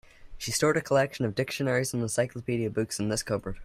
She stored a collection of dictionaries and encyclopedia books in this cupboard.